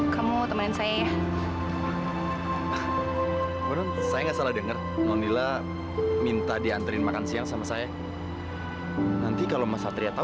sampai jumpa di video selanjutnya